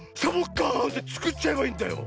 カーンってつくっちゃえばいいんだよ。